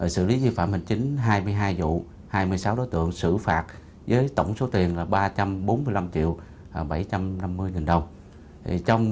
xử lý vi phạm hình chính hai mươi hai vụ hai mươi sáu đối tượng xử phạt với tổng số tiền ba trăm bốn mươi năm triệu bảy trăm năm mươi nghìn đồng